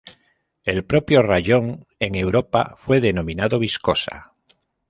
El propio rayón, en Europa, fue denominado viscosa.